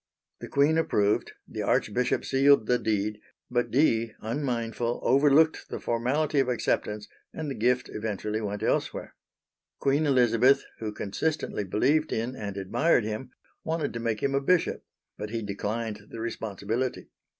The Queen approved, the Archbishop sealed the deed; but Dee, unmindful, overlooked the formality of acceptance and the gift eventually went elsewhere. Queen Elizabeth, who consistently believed in and admired him, wanted to make him a bishop, but he declined the responsibility.